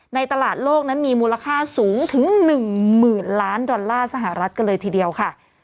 ตลาดโลกนั้นมีมูลค่าสูงถึง๑๐๐๐ล้านดอลลาร์สหรัฐกันเลยทีเดียวค่ะ